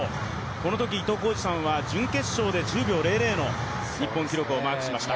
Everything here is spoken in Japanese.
このとき、伊東浩司さんが準決勝で１０秒００の日本記録をマークしました。